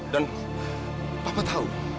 dan papa tahu